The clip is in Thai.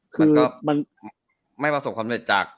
มันก็ไม่ประสบความเศรษฐ์จาก